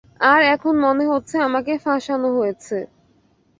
আর এখন মনে হচ্ছে আমাকে ফাঁসানো হয়েছে।